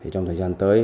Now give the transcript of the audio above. trong thời gian tới